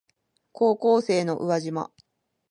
高校生の浮島